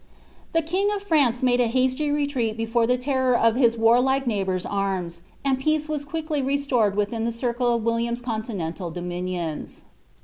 The king of France made a liasty retreat before the WTor of his ^vB^lil(.e neighbour's arms, and peace was quickly restored rcle of William's continental dominions.